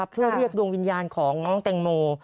เพื่อเรียกดวงวิญญาณของน้องแตงโม